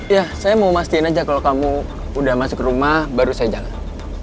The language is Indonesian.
ya saya mau masin aja kalau kamu udah masuk rumah baru saya jalan